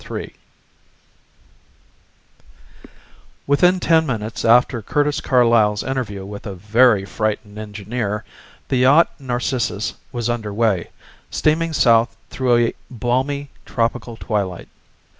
III Within ten minutes after Curtis Carlyle's interview with a very frightened engineer the yacht Narcissus was under way, steaming south through a balmy tropical twilight.